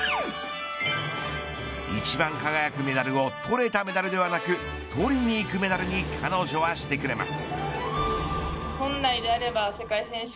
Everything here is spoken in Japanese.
一番輝くメダルを取れたメダルではなく取りにいくメダルに彼女はしてくれます。